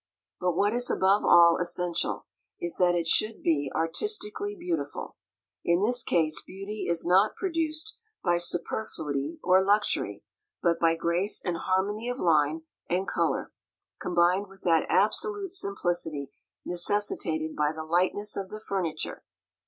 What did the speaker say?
But what is above all essential is, that it should be "artistically beautiful." In this case beauty is not produced by superfluity or luxury, but by grace and harmony of line and color, combined with that absolute simplicity necessitated by the lightness of the furniture.